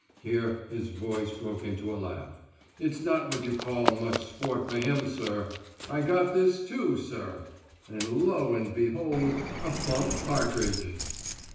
(Here his voice broke into a laugh.) "It's not what you call much sport for him, sir! I got this too, sir!" And lo! and behold! a plump partridge!